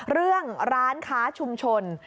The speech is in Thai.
เรื่องร้านค้าชุมชน